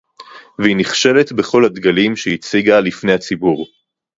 והיא נכשלת בכל הדגלים שהיא הציגה לפני הציבור